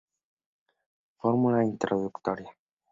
Fórmula introductoria, v.